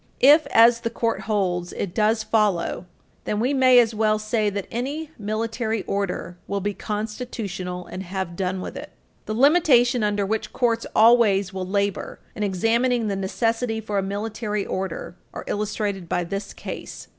If, as the Court holds, it does follow, then we may as well say that any military order will be constitutional, and have done with it. The limitation under which courts always will labor in examining the necessity for a military order are illustrated by this case.